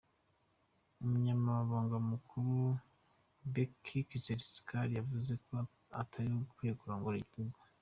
Umunyamabanga mukuru Bheki Ntshalintshali yavuze ko "atariwe akwiye" kurongora igihugu.